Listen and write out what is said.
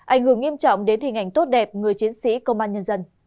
ảnh hưởng nghiêm trọng đến hình ảnh tốt đẹp người chiến sĩ công an nhân dân